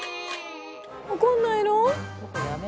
怒んないの？